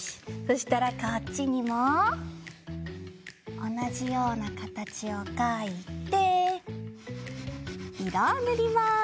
そしたらこっちにもおなじようなかたちをかいていろをぬります。